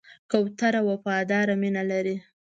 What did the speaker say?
کوتره وفاداره مینه لري.